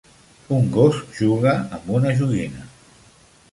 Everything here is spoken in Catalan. un gos juga amb una joguina.